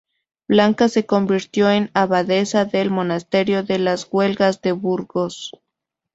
Blanca se convirtió en abadesa del Monasterio de las Huelgas de Burgos.